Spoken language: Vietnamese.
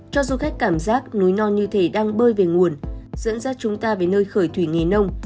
cho du khách cảm giác núi non như thế đang bơi về nguồn dẫn dắt chúng ta về nơi khởi thủy nghề nông